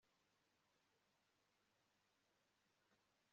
Dufite impungenge zo guhindura ibintu bishimishije